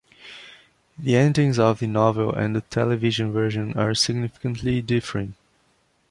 The endings of the novel and the television version are significantly different.